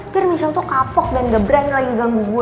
biar michelle tuh kapok dan nge brain lagi ganggu gue